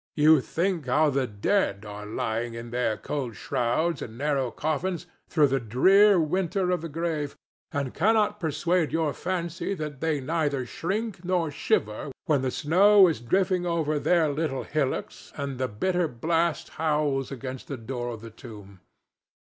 You think how the dead are lying in their cold shrouds and narrow coffins through the drear winter of the grave, and cannot persuade your fancy that they neither shrink nor shiver when the snow is drifting over their little hillocks and the bitter blast howls against the door of the tomb.